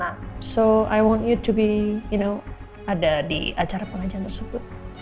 jadi saya mau kamu ada di acara pengajian tersebut